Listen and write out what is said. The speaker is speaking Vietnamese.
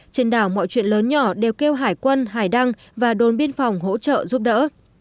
trên đảo mọi chuyện lớn nhỏ đều kêu hải quân hải đăng và đồn biên phòng hỗ trợ giúp đỡ